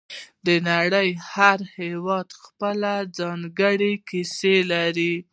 د نړۍ هر هېواد خپله ځانګړې کیسه لري